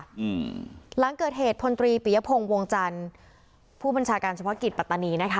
อืมหลังเกิดเหตุพลตรีปิยพงศ์วงจันทร์ผู้บัญชาการเฉพาะกิจปัตตานีนะคะ